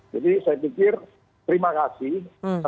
jadi saya pikir terima kasih